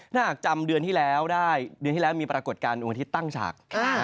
ถ้าหากจำเดือนที่แล้วได้เดือนที่แล้วมีปรากฏการณ์ดวงอาทิตย์ตั้งฉาก